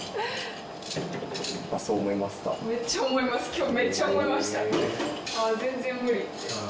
今日めっちゃ思いました。